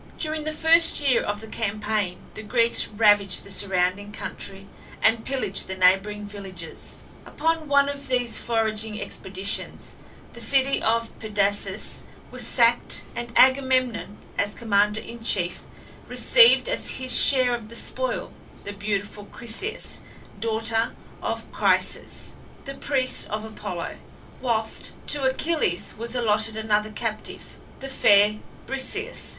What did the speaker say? During the first year of the campaign the Greeks ravaged the surrounding country, and pillaged the neighbouring villages. Upon one of these foraging expeditions the city of Pedasus was sacked, and Agamemnon, as commander in chief, received as his share of the spoil the beautiful Chryseis, daughter of Chryses, the priest of Apollo; whilst to Achilles was allotted another captive, the fair Briseis.